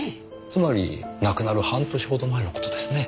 つまり亡くなる半年ほど前の事ですね。